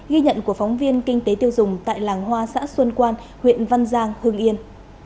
ghi nhận của phóng viên kinh tế tiêu dùng tại làng hoa xã xuân quan huyện văn giang hương yên